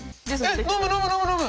えっ飲む飲む飲む飲む！